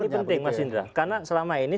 ini penting mas indra karena selama ini